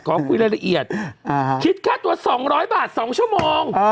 ขอคุยรายละเอียดอ่าคิดแค่ตัวสองร้อยบาทสองชั่วโมงเออ